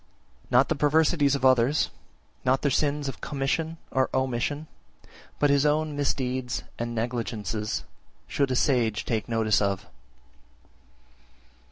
50. Not the perversities of others, not their sins of commission or omission, but his own misdeeds and negligences should a sage take notice of.